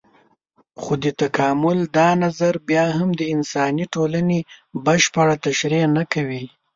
خو د تکامل دا نظر بيا هم د انساني ټولنې بشپړه تشرېح نه کوي.